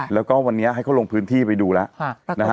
แล้วก็วันนี้ให้เขาลงพื้นที่ไปดูแล้วนะฮะ